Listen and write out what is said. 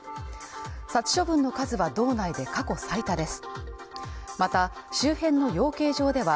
殺処分の数は道内で過去最多です。